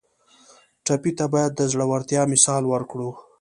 ټپي ته باید د زړورتیا مثال ورکړو.